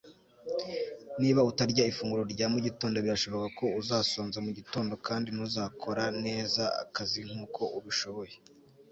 Niba utarya ifunguro rya mugitondo birashoboka ko uzasonza mugitondo kandi ntuzakora neza akazi nkuko ubishoboye